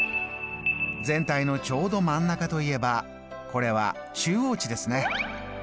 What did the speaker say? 全体のちょうど真ん中といえばこれは中央値ですね。